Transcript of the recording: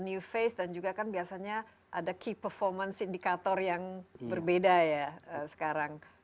new fast dan juga kan biasanya ada key performance indicator yang berbeda ya sekarang